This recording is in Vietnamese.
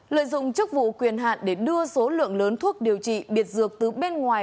lợi dụng chức vụ quyền hạn để đưa số lượng lớn thuốc điều trị biệt dược từ bên ngoài